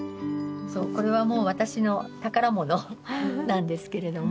そうこれはもう私の宝物なんですけれども。